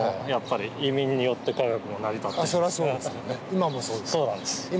今もそうですから。